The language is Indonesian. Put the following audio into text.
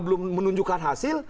belum menunjukkan hasil